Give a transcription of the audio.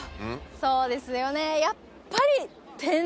そうですよね。